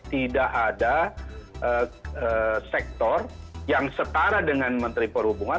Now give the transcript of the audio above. tidak ada sektor yang setara dengan menteri perhubungan